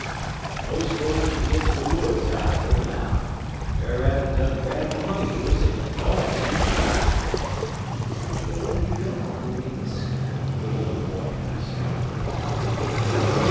"But mos' 'fo' she gits de wuds out'n 'er mouf, Brer Rabbit done grab de money pus en gone!" "Which way did he go, Uncle Remus?" the little boy asked, after a while.